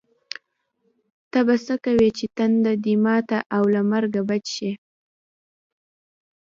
ته به څه کوې چې تنده دې ماته او له مرګه بچ شې.